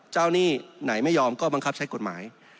หนี้ไหนไม่ยอมก็บังคับใช้กฎหมาย